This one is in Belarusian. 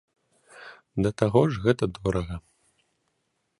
Да таго ж гэта дорага.